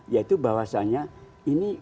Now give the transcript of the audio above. yaitu bahwasanya ini